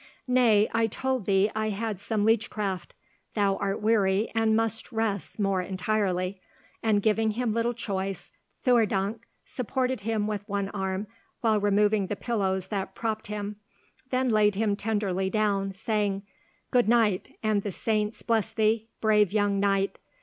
"Nay, I told thee I had some leechcraft. Thou art weary, and must rest more entirely;"—and, giving him little choice, Theurdank supported him with one arm while removing the pillows that propped him, then laid him tenderly down, saying, "Good night, and the saints bless thee, brave young knight.